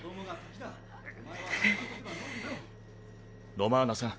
ロマーナさん。